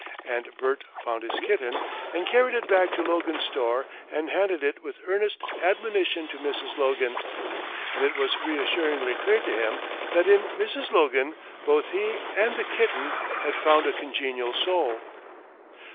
And Bert found his kitten and carried it back to Logan's store and handed it with earnest admonition to Mrs. Logan. And it was reassuringly clear to him that in Mrs. Logan both he and the kitten had found a congenial soul.